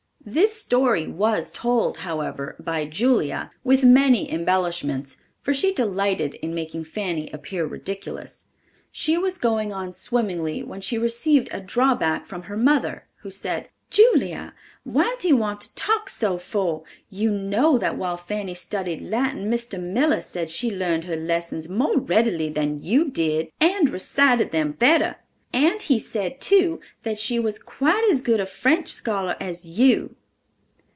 This story was told, however, by Julia, with many embellishments, for she delighted in making Fanny appear ridiculous. She was going on swimmingly when she received a drawback from her mother, who said: "Julia, what do you want to talk so for? You know that while Fanny studied Latin, Mr. Miller said she learned her lessons more readily than you did and recited them better, and he said, too, that she was quite as good a French scholar as you."